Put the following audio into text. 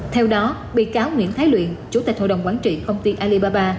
theo đó bị cáo nguyễn thái luyện chủ tịch hội đồng quán trị công ty alibaba